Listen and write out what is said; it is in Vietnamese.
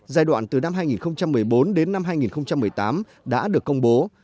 giai đoạn từ năm hai nghìn một mươi bốn đến năm hai nghìn một mươi tám đã được công bố